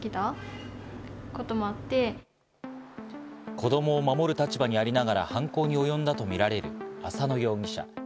子供を守る立場にありながら犯行におよんだとみられる浅野容疑者。